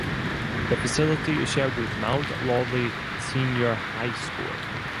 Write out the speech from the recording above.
The facility is shared with Mount Lawley Senior High School.